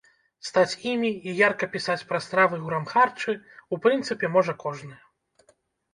Стаць імі і ярка пісаць пра стравы ў грамхарчы, у прынцыпе, можа кожны.